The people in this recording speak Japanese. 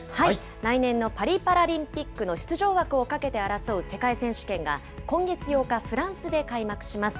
来年のパリパラリンピックの出場枠をかけて争う世界選手権が、今月８日、フランスで開幕します。